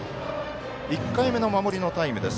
１回目の守りのタイムです。